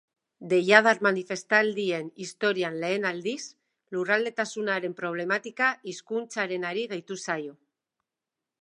Deiadar manifestaldien historian lehen aldikoz, lurraldetasunaren problematika hizkuntzarenari gehitu zaio.